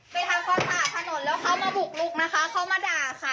ไปทำความสะอาดถนนแล้วเขามาบุกลุกนะคะเขามาด่าค่ะ